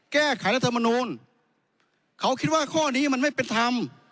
แก้ไขรัฐมนูลเขาคิดว่าข้อนี้มันไม่เป็นธรรม